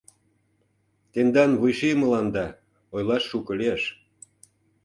Тендан вуйшиймыланда ойлаш шуко лиеш.